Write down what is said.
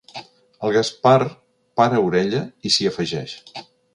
El Gaspar para orella i s'hi afegeix.